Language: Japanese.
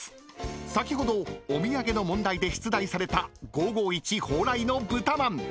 先ほどお土産の問題で出題された５５１蓬莱の豚まん］